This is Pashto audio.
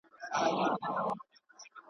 وژني د زمان بادونه ژر شمعي..